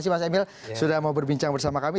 mas emil sudah mau berbincang bersama kami